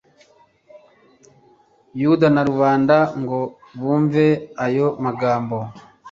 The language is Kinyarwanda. yuda na rubanda ngo bumve ayo magambo